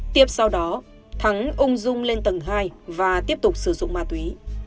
tiếp sau đó thắng ung dung lên tầng hai và tiếp tục sử dụng ma túy